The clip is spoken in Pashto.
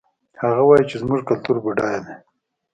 هغه وایي چې زموږ کلتور بډایه ده